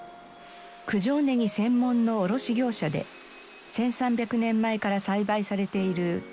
九条葱専門の卸業者で１３００年前から栽培されている京野菜です。